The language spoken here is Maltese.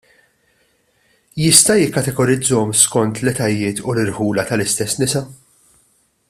Jista' jikkategorizzahom skont l-etajiet u l-irħula tal-istess nisa?